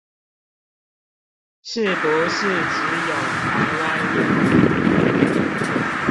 是不是只有台灣有